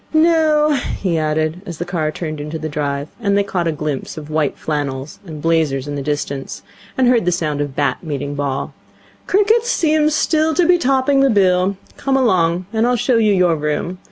No,' he added, as the car turned into the drive, and they caught a glimpse of white flannels and blazers in the distance, and heard the sound of bat meeting ball, 'cricket seems still to be topping the bill. Come along, and I'll show you your room.